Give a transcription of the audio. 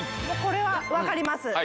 もうこれは分かります